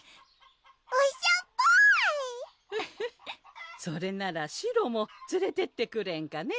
おしゃんぽフフフそれならシロもつれてってくれんかね？